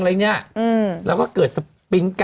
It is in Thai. ว่าไม่ต้องเปิดหรอก